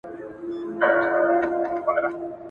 د ابليس د اولادونو شيطانانو !.